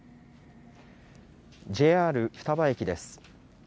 ＪＲ双葉駅です。